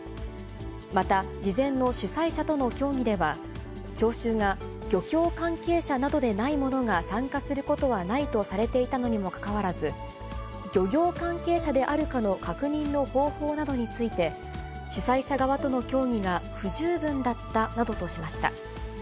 また、事前の主催者との協議では、聴衆が漁協関係者などでない者が参加することはないとされていたのにもかかわらず、漁業関係者であるかの確認の方法などについて、主催者側との協議が不十分だったなどとしました。